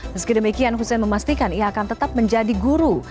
meski demikian hussein memastikan ia akan tetap menjadi guru